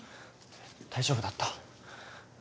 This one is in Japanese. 大丈夫だった？